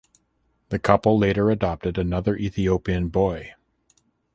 The couple later adopted another Ethiopian boy.